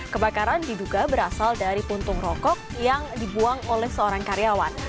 kebakaran diduga berasal dari puntung rokok yang dibuang oleh seorang karyawan